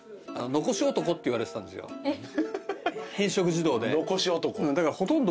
偏食児童で。